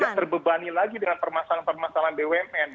tidak terbebani lagi dengan permasalahan permasalahan bumn